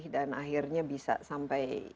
dan akhirnya bisa sampai